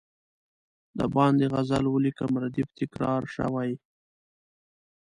د باندي غزل ولیکم ردیف تکرار شوی.